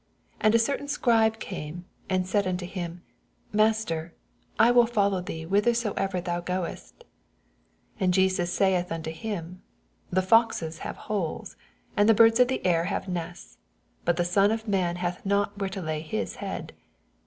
19 And a certain Scribe came, and Baid nnto him, Master, I will follow thee whithersoever thou goest. 20 And Jesus saith jinto him. The foxes have holes, and the birds of the ur have nests ; but the Son of man hath not where to lay hie head.